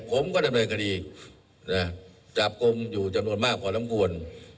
ผมก็ทำในคดีจับกรมอยู่จำนวนมากกว่าน้ำกวน